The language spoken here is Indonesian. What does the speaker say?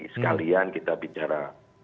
sekalian kita bicara